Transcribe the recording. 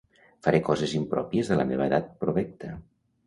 Faré coses impròpies de la meva edat provecta.